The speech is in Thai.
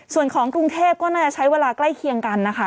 ส่วนของกรุงเทพก็น่าจะใช้เวลาใกล้เคียงกันนะคะ